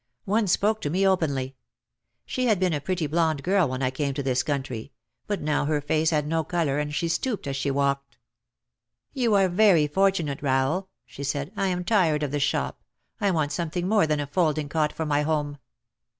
One spoke to me openly. She had been a pretty blonde girl when I came to this country, but now her face had no colour and she stooped as she walked. "You are very fortunate, Rahel," she said. "I am tired of the shop, I want something more than a folding cot for my home.